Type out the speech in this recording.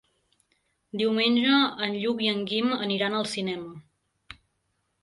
Diumenge en Lluc i en Guim aniran al cinema.